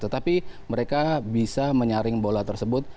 tetapi mereka bisa menyaring bola tersebut